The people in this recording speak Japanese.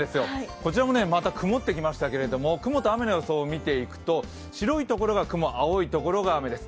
こちらもまた曇ってきましたけれども、雲と雨の予想を見ていくと白いところが雲、青いところが雨です。